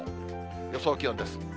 予想気温です。